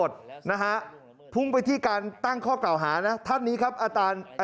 ส่วนประเด็นการตั้งข้อเกลาหาแก่คนที่อยู่บนเรือ